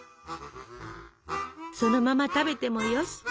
そのまま食べてもよし。